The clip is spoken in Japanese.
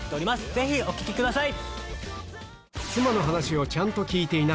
ぜひお聴きください。